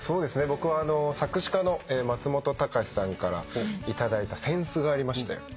僕は作詞家の松本隆さんから頂いた扇子がありまして。